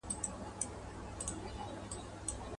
توره شپه يې سوله جوړه پر چشمانو.